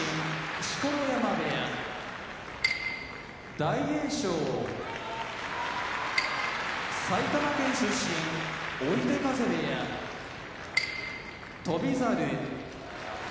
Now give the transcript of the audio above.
錣山部屋大栄翔埼玉県出身追手風部屋翔猿